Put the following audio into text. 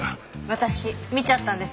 私見ちゃったんです。